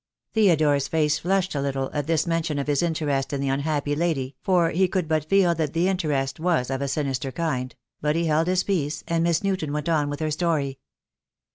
Theodore's face flushed a little at this mention of his interest in the unhappy lady, for he could but feel that the interest was of a sinister kind; but he held his peace, and Miss Newton went on with her story.